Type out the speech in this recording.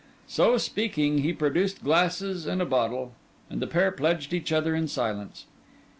So speaking, he produced glasses and a bottle: and the pair pledged each other in silence.